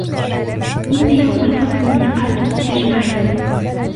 إن يوم الفصل ميقاتهم أجمعين